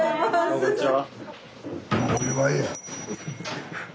・こんにちは。